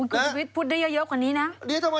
คุณชุวิตพูดได้เยอะกว่านี้นะ